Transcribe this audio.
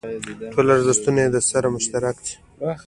ټول ارزښتونه یې درسره مشترک دي.